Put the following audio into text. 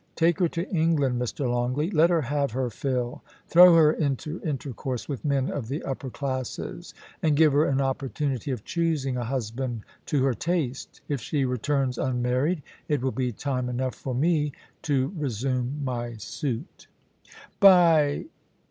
Take her to England, Mr. Longleat Let her have her fill. Throw her into intercourse with men of the upper classes, and give her an opportunity of choosing a husband to her taste. If she returns unmarried, it will be time enough for me to resume my suit' * By